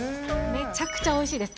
めっちゃくちゃおいしいです。